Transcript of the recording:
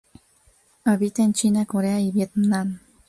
Habita en China, Corea y Vietnam.